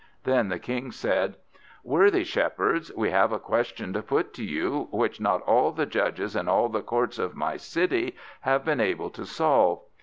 Then the King said "Worthy Shepherds, we have a question to put to you, which not all the judges in all the courts of my city have been able to solve.